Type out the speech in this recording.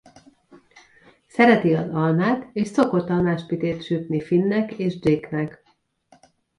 Szereti az almát és szokott almás pitét sütni Finnek és Jakenek.